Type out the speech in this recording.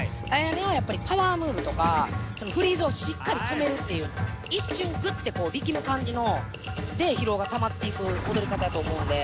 Ａｙａｎｅはやっぱりパワームーブとかフリーズをしっかり止めるっていう一瞬、グッて力む感じで疲労がたまっていく踊り方やと思うんで